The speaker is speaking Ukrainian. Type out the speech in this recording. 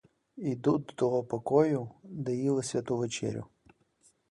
Йдуть до того покою, де їли святу вечерю.